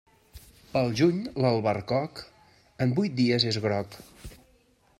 Pel juny, l'albercoc, en vuit dies és groc.